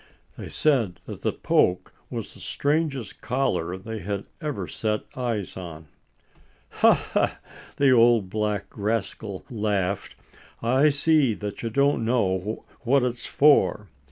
They said that the poke was the strangest collar they had ever set eyes on. "Ha! ha!" the old black rascal laughed. "I see that you don't know what it's for....